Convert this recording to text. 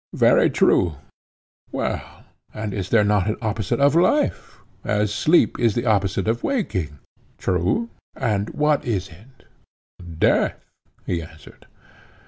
Very true, he replied. Well, and is there not an opposite of life, as sleep is the opposite of waking? True, he said. And what is it? Death, he answered.